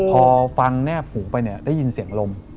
พอฟังแนบหูไปเนี่ยได้ยินเสียงลม